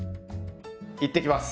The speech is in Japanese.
いってきます！